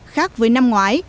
khác với năm ngoái